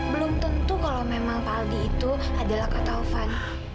belum tentu kalau memang pak aldi itu adalah kata tovan